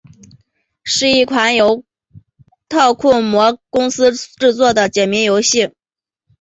是一款由特库摩公司制作的解谜类游戏。